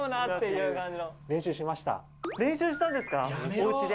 おうちで？